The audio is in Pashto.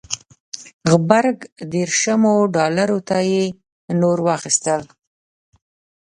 غبرګ دېرشمو ډالرو ته یې نور واخیستل.